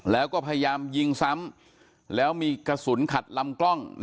แล้วก็พยายามยิงซ้ำแล้วมีกระสุนขัดลำกล้อง